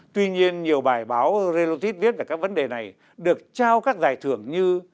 tuy nhiên nhiều bài báo relotis viết về các vấn đề này được trao các giải thưởng như